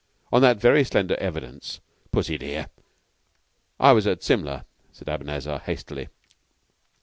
On that very slender evidence, Pussy dear " "I was at Simla," said Abanazar, hastily.